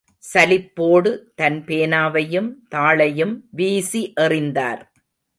சலிப்போடு தன் பேனாவையும் தாளையும் வீசி எறிந்தார்.